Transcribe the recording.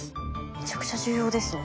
めちゃくちゃ重要ですね